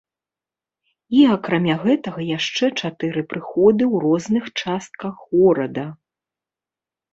І акрамя гэтага яшчэ чатыры прыходы ў розных частках горада!